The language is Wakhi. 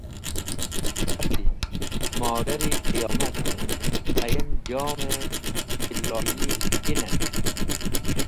K̃hati: “Modar-e qiyomat! Ayem jom-e tiloyi kinen?”